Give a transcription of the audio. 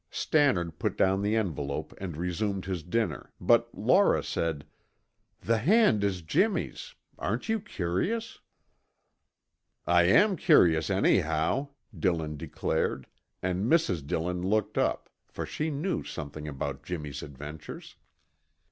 Stannard put down the envelope and resumed his dinner, but Laura said, "The hand is Jimmy's. Aren't you curious?" "I am curious, anyhow," Dillon declared, and Mrs. Dillon looked up, for she knew something about Jimmy's adventures.